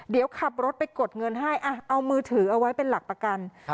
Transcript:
เดี๋ยวขับรถไปกดเงินให้เอามือถือเอาไว้เป็นหลักประกัน